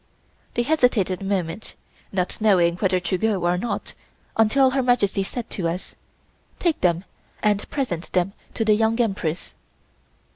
They hesitated a moment, not knowing whether to go or not, until Her Majesty said to us: "Take them and present them to the Young Empress."